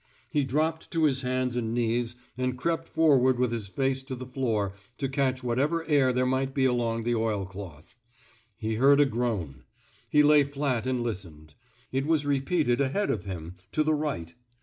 He dropped to his hands and knees and crept forward with his face to the floor to catch whatever air there might be along the oil cloth. He heard a groan. He lay flat and listened. It was repeated ahead of him, to the right.